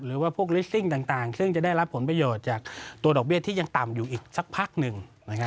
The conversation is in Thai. หรือว่าพวกลิสซิ่งต่างซึ่งจะได้รับผลประโยชน์จากตัวดอกเบี้ยที่ยังต่ำอยู่อีกสักพักหนึ่ง